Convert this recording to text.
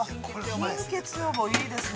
◆貧血予防、いいですね。